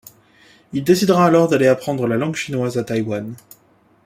Il décidera alors d'aller apprendre la langue chinoise à Taïwan.